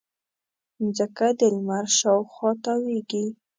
مځکه د لمر شاوخوا تاوېږي.